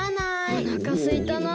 おなかすいたな。